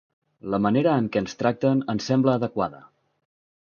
La manera en què ens tracten, ens sembla adequada.